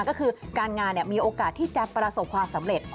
ก็คือการงานมีโอกาสที่จะประสบความสำเร็จ